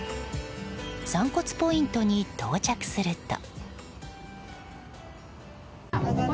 散骨ポイントに到着すると。